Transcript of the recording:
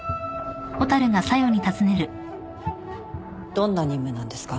どんな任務なんですか？